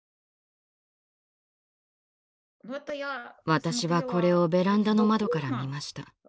私はこれをベランダの窓から見ました。